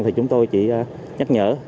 thì chúng tôi chỉ nhắc nhở